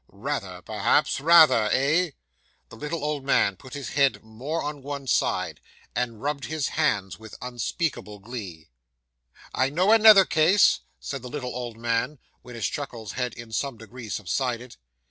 Rather, perhaps; rather, eh?' The little old man put his head more on one side, and rubbed his hands with unspeakable glee. 'I know another case,' said the little old man, when his chuckles had in some degree subsided.